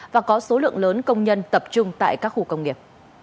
và có số lượng lớn công nhân tập trung tại các khu công nghiệp